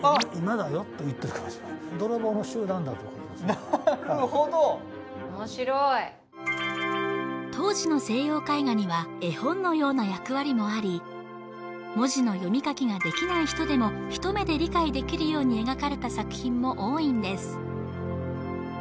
今だよ！と言ってるかもしれませんなるほど面白い当時の西洋絵画には絵本のような役割もあり文字の読み書きができない人でも一目で理解できるように描かれた作品も多いんです